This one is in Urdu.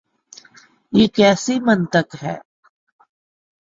یہ کیسی منطق ہے؟